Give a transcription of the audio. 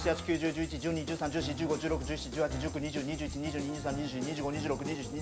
１１１２１３１４１５１６１７１８１９２０２１２２２３２４２５２６２７２８２９３０。